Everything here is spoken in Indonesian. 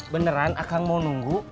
beneran akang mau nunggu